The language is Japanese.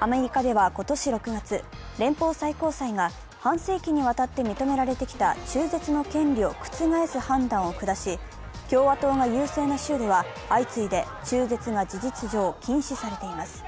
アメリカでは今年６月、連邦最高裁が半世紀にわたって認められてきた中絶の判断を覆す判断を下し、共和党が優勢な州では相次いで中絶が事実上、禁止されています。